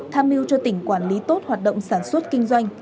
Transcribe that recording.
tham mưu cho tỉnh quản lý tốt hoạt động sản xuất kinh doanh